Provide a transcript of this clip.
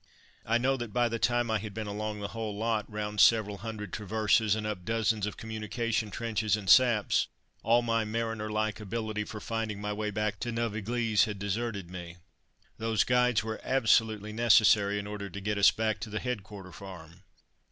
I know that by the time I had been along the whole lot, round several hundred traverses, and up dozens of communication trenches and saps, all my mariner like ability for finding my way back to Neuve Eglise had deserted me. Those guides were absolutely necessary in order to get us back to the headquarter farm.